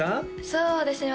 そうですね